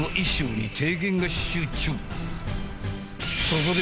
そこで。